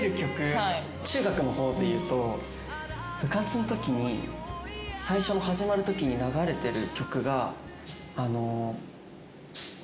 中学の方でいうと部活のときに最初の始まるときに流れてる曲が。